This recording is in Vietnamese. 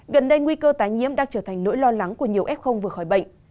gần đây nguy cơ tái nhiễm đang trở thành nỗi lo lắng của nhiều f vừa khỏi bệnh